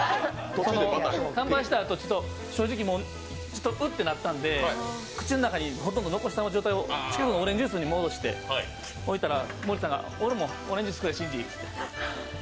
看板したあと正直、うってなったんで口の中にほとんど残した状態でオレンジジュースに戻して毛利さんが、俺もオレンジくれ、信二って。